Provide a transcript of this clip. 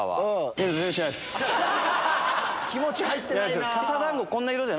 気持ち入ってないなぁ。